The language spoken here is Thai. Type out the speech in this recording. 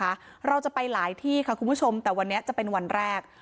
เราจะไปหลายที่ค่ะคุณผู้ชมแต่วันนี้จะเป็นวันแรก